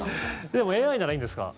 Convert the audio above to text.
でもＡＩならいいんですか？